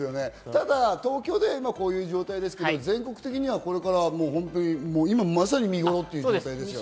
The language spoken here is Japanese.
ただ東京でこういう状態ですけど、全国的にはこれから今まさに見頃ってことですもんね。